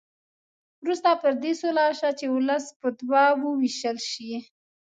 وروسته پر دې سوله وشوه چې ولس په دوه وو وېشل شي.